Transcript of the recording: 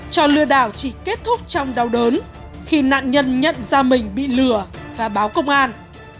trò lừa đảo chỉ kết thúc trong đau đớn khi nạn nhân nhận ra mình bị lừa và báo công an